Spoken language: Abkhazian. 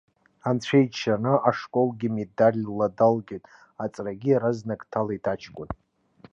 Анцәа иџьшьаны ашколгьы медальла далгеит, аҵарагьы иаразнак дҭалеит аҷкәын.